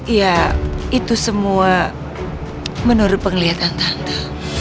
ya itu semua menurut penglihatan tante